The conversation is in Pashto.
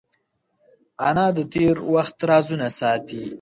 انا د تېر وخت رازونه ساتي